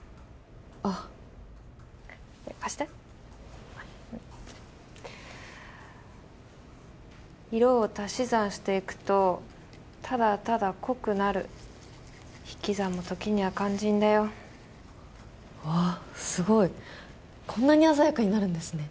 あ貸して色を足し算していくとただただ濃くなる引き算もときには肝心だよわあっすごいこんなに鮮やかになるんですね